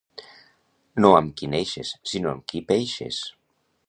No amb qui neixes, sinó amb qui peixes.